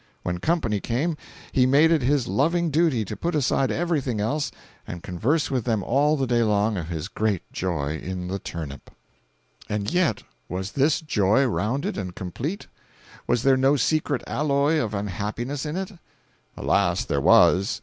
When company came, he made it his loving duty to put aside everything else and converse with them all the day long of his great joy in the turnip. 507.jpg (67K) "And yet, was this joy rounded and complete? Was there no secret alloy of unhappiness in it? Alas, there was.